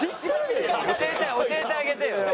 教えてあげてよ。